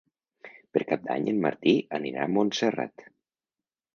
Per Cap d'Any en Martí anirà a Montserrat.